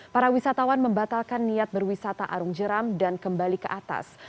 para wisatawan membatalkan niat berwisata arung jeram dan kembali ke atas